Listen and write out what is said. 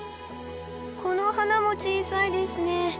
この花も小さいですね。